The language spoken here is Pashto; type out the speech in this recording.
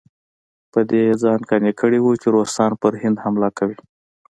په دې یې ځان قانع کړی وو چې روسان پر هند حمله کوي.